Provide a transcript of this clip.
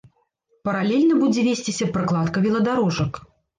Паралельна будзе весціся пракладка веладарожак.